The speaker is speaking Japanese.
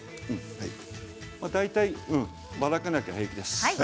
ばらけなきゃ平気です。